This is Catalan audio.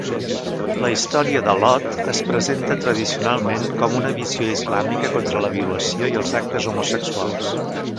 La història de Lot es presenta tradicionalment com una visió islàmica contra la violació i els actes homosexuals.